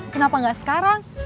kenapa gak sekarang